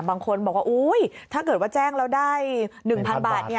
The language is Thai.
บางคนบอกว่าถ้าเกิดว่าแจ้งเราได้๑๐๐๐บาท